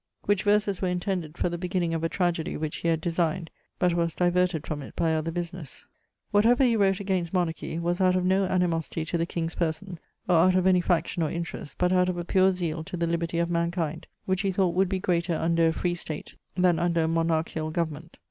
Which verses were intended for the beginning of a tragoedie which he had designed, but was diverted from it by other businesse. [Whatever he wrote against monarchie was out of no animosity to the king's person, or owt of any faction or interest, but out of a pure zeale to the liberty of mankind, which he thought would be greater under a fre state than under a monarchiall goverment.